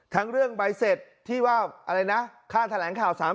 ทั้งเรื่องใบเสร็จที่ว่าค่าแถลงข่าว๓๐๐๐๐๐บาท